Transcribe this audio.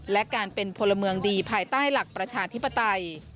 และการเป็นพลเมืองดีภายใต้หลักประชาธิปไตย